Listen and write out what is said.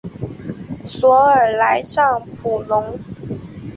索尔莱尚普隆。